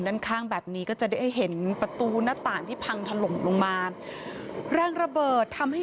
ด้านข้างแบบนี้ก็จะได้เห็นประตูหน้าต่างที่พังถล่มลงมาแรงระเบิดทำให้